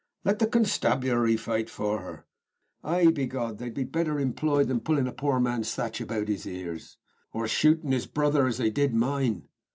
"Let the constabulary foight for her." "Ay, be God, they'd be better imployed than pullin' a poor man's thatch about his ears." "Or shootin' his brother, as they did mine."